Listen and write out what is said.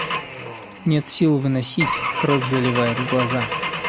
Нет сил выносить, кровь заливает глаза.